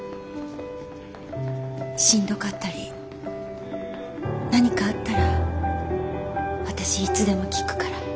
しんどかったり何かあったら私いつでも聞くから。